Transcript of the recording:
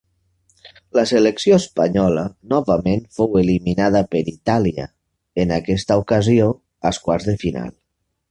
La selecció espanyola novament fou eliminada per Itàlia, en aquesta ocasió als quarts de final.